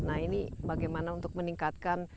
nah ini bagaimana untuk meningkatkan